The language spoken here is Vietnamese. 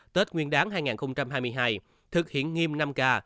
tết nguyên đáng hai nghìn hai mươi hai thực hiện nghiêm năm k